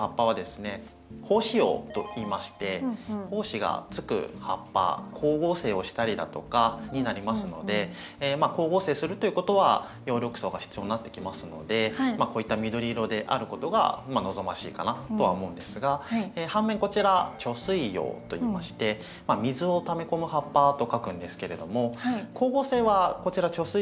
胞子葉といいまして胞子がつく葉っぱ光合成をしたりだとかになりますのでまあ光合成するということは葉緑素が必要になってきますのでこういった緑色であることが望ましいかなとは思うんですが反面こちら貯水葉といいまして「水を貯め込む葉っぱ」と書くんですけれども光合成はこちら貯水葉はそこまでしません。